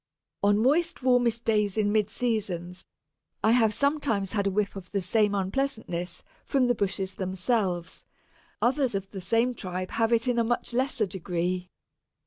On moist warmish days in mid seasons I have sometimes had a whiff of the same unpleasantness from the bushes themselves; others of the same tribe have it in a much lesser degree.